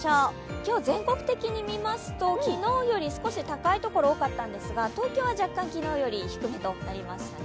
今日は全国的に見ますと昨日より少し高い所が多かったんですが東京は若干昨日より低くなりましたね。